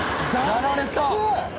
やられた！